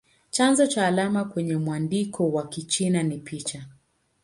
Chanzo cha alama kwenye mwandiko wa Kichina ni picha.